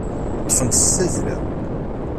Ṭṭfen-tt s tazzla.